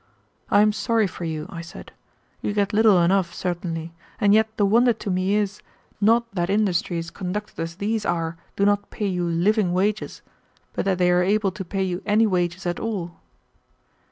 "I am sorry for you," I said. "You get little enough, certainly, and yet the wonder to me is, not that industries conducted as these are do not pay you living wages, but that they are able to pay you any wages at all."